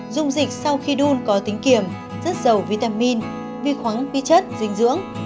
dung dịch sau khi đun có tính kiểm rất giàu vitamin vi khoáng vi chất dinh dưỡng